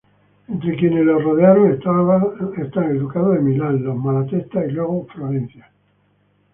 Entre quienes lo rodearon están el Ducado de Milán, los Malatesta y luego Florencia.